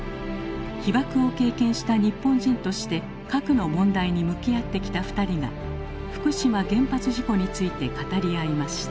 被ばくを経験した日本人として核の問題に向き合ってきた２人が福島原発事故について語り合いました。